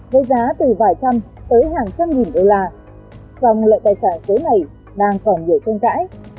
với giá từ vài trăm tới hàng trăm nghìn usd song lợi tài sản số này đang còn nhiều trông cãi